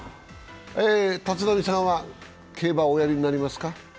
立浪さんは競馬はおやりになりますか？